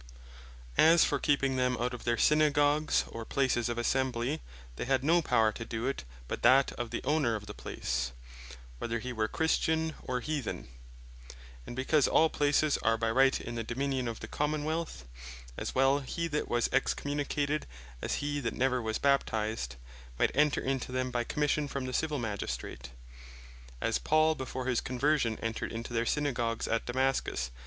As for keeping them out of their Synagogues, or places of Assembly, they had no Power to do it, but that of the owner of the place, whether he were Christian, or Heathen. And because all places are by right, in the Dominion of the Common wealth; as well hee that was Excommunicated, as hee that never was Baptized, might enter into them by Commission from the Civill Magistrate; as Paul before his conversion entred into their Synagogues at Damascus, (Acts 9.